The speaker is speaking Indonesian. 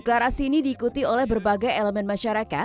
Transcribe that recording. deklarasi ini diikuti oleh berbagai ekonomi